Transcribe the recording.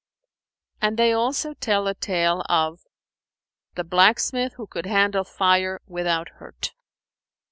And they also tell a tale of THE BLACKSMITH WHO COULD HANDLE FIRE WITHOUT HURT.